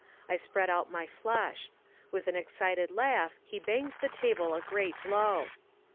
I spread out my flush. With an excited laugh he banged the table a great blow.